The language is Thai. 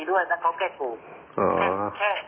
ดูแลประกันตรงนั้น